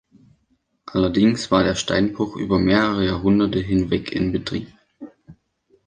Allerdings war der Steinbruch über mehrere Jahrhunderte hinweg in Betrieb.